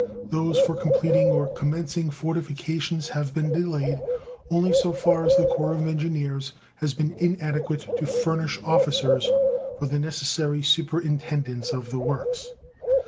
Those for completing or commencing fortifications have been delayed only so far as the Corps of Engineers has been inadequate to furnish officers for the necessary superintendence of the works.